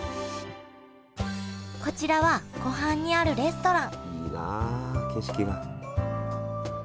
こちらは湖畔にあるレストランいいなあ景色が。